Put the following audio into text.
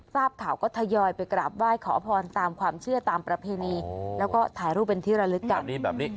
ทราบข่าวก็ทยอยไปกราบไหว้ขอพรตามความเชื่อตามประเพณีแล้วก็ถ่ายรูปเป็นที่ระลึกกันแบบนี้